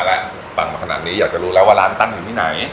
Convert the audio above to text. แหละฟังมาขนาดนี้อยากจะรู้แล้วว่าร้านตั้งอยู่ที่ไหน